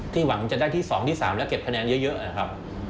หวังจะได้ที่๒ที่๓และเก็บคะแนนเยอะนะครับ